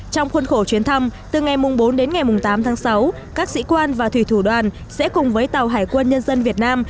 trong khuôn khổ chuyến thăm từ ngày bốn đến ngày tám tháng sáu các sĩ quan và thủy thủ đoàn sẽ cùng với tàu hải quân nhân dân việt nam